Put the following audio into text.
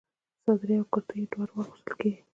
صدرۍ او کرتۍ دواړه اغوستل کيږي.